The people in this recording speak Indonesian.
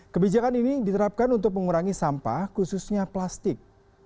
kebijakan ini diterapkan untuk mengurangi sampah khususnya plastik